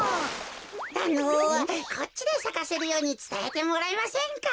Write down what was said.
あのこっちでさかせるようにつたえてもらえませんか？